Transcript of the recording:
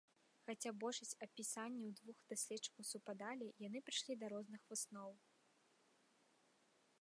Хаця большасць апісанняў двух даследчыкаў супадалі, яны прыйшлі да розных высноў.